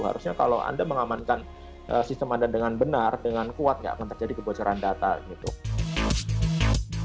harusnya kalau anda mengamankan sistem anda dengan benar dengan kuat nggak akan terjadi kebocoran data gitu